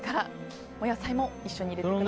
お野菜も一緒に入れてください。